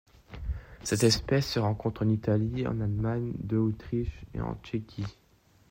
Cette espèce se rencontre en Italie, en Allemagne, de Autriche et en Tchéquie.